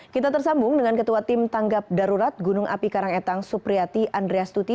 kita tersambung dengan ketua tim tanggap darurat gunung api karangetang supriyati andreas tuti